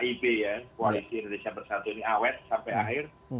koalisi indonesia bersatu ini awet sampai akhir